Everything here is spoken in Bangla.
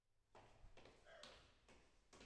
একটি চেন্নাই মহানগরের দক্ষিণ দিকে অবস্থিত শহরতলি।